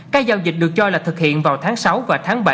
các giao dịch được cho là thực hiện vào tháng sáu và tháng bảy